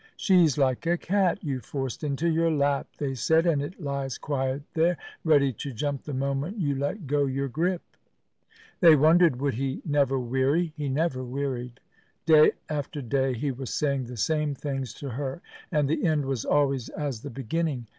"She's like a cat you've forced into your lap," they said, "and it lies quiet there, ready to jump the moment you let go your grip." They wondered would he never weary. He never wearied. Day after day he was saying the same things to her, and the end was always as the beginning.